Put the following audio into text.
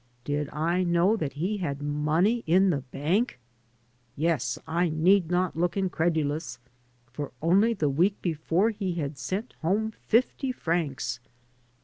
Did I know that he had money in the bank? Yes, I need not look incredulous, for only the week before he had sent home fifty francs.